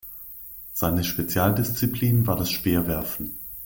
Seine Spezialdisziplin war das Speerwerfen.